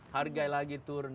harga lagi turun